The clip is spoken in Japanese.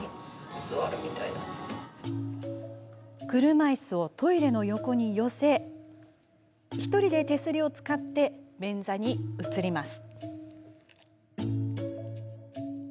車いすをトイレの横に寄せ１人で手すりを使って便座に移ります。